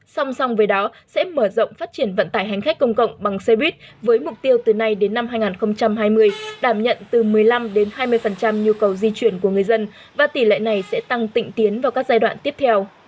song song với đó sẽ mở rộng phát triển vận tải hành khách công cộng bằng xe buýt với mục tiêu từ nay đến năm hai nghìn hai mươi đảm nhận từ một mươi năm đến hai mươi nhu cầu di chuyển của người dân và tỷ lệ này sẽ tăng tịnh tiến vào các giai đoạn tiếp theo